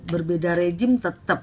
berbeda rejim tetap